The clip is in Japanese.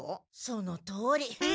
そのとおり。